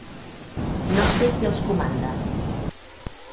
No sé qui els comanda.